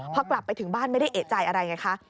พอกลับไปถึงบ้านไม่ได้เอกใจอะไรไงคะ